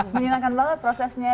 menyenangkan banget prosesnya